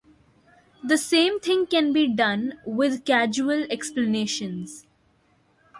The same thing can be done with "causal explanations".